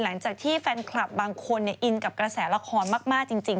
หลังจากที่แฟนคลับบางคนอินกับกระแสละครมากจริง